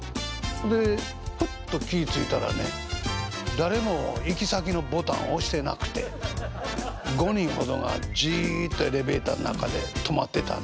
でふっと気ぃ付いたらね誰も行き先のボタン押してなくて５人ほどがじっとエレベーターの中で止まってたんです。